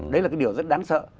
đấy là cái điều rất đáng sợ